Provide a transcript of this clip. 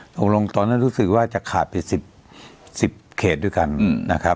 ตรงนั้นรู้สึกว่าจะขาดไป๑๐เขตด้วยกันนะครับ